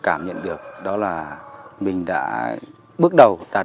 cảm nhận được đó là mình đã bước đầu đạt